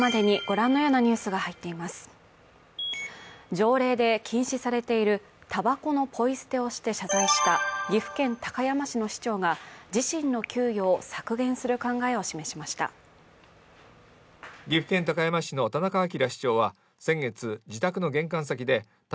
条例で禁止されているたばこのポイ捨てをして謝罪した岐阜県高山市の市長が自身の給与を削減する考えを示しました。